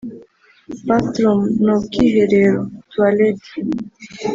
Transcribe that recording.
bathroom) n’ubwiherero (toilet)